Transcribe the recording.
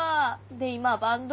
で今はバンド？